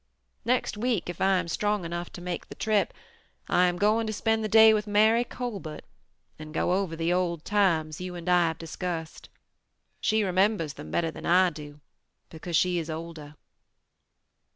Next week, if I am strong enough to make the trip, I am going to spend the day with Mary Colbert, and go over the old times you and I have discussed. She remembers them better than I do, because she is older."